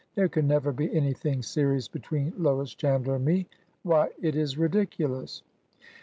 There can never be anything serious between Lois Chandler and me! Why, it is ridiculous